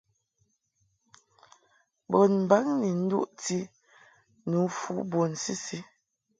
Bunbaŋ ni nduʼti nǔfu bun sisi.